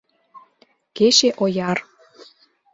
Кече ояр.